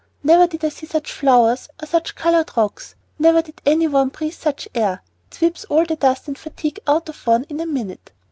Never did I see such flowers or such colored rocks, and never did any one breathe such air. It sweeps all the dust and fatigue out of one in a minute.